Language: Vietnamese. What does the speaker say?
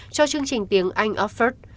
cho chương trình tiếng anh offered